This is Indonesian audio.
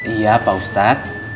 iya pak ustadz